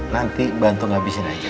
nanti bantu ngabisin aja